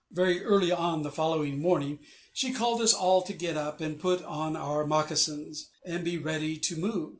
Very early on the following morning she called us all to get up, and put on our moccasins, and be ready to move.